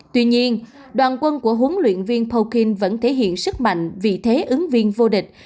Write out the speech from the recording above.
tuy nhiên đoàn quân của huấn luyện viên pokin vẫn thể hiện sức mạnh vị thế ứng viên vô địch